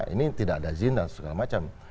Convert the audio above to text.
ini tidak ada zina segala macam